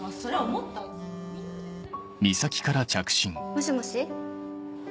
もしもし？